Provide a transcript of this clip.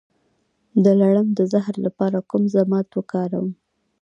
د لړم د زهر لپاره کوم ضماد وکاروم؟